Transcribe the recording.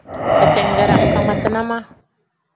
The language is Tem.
Ketengere nkangmatina ma.